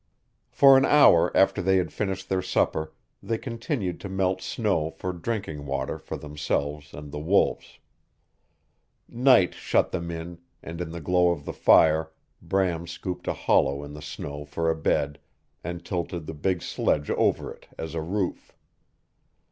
For an hour after they had finished their supper they continued to melt snow for drinking water for themselves and the wolves. Night shut them in, and in the glow of the fire Bram scooped a hollow in the snow for a bed, and tilted the big sledge over it as a roof.